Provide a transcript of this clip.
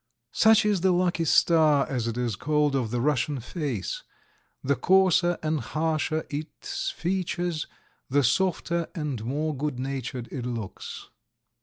Such is the lucky star, as it is called, of the Russian face: the coarser and harsher its features the softer and more good natured it looks.